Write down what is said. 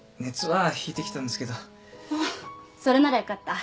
あっそれならよかった。